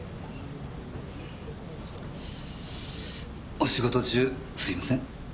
お仕事中すいません。